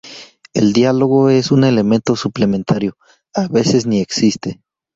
El diálogo es un elemento suplementario, a veces ni existe.